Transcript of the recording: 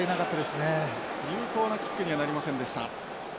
有効なキックにはなりませんでした。